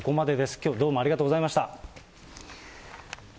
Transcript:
きょうもどうもありがとうございました。